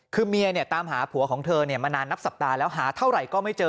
คือเมียตามหาผัวของเธอมานานนับสัปดาห์แล้วหาเท่าไหร่ก็ไม่เจอ